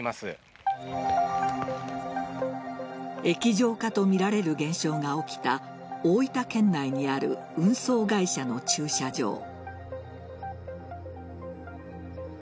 液状化とみられる現象が起きた大分県内にある運送会社の駐車場。